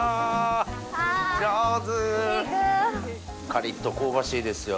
カリっと香ばしいですよ。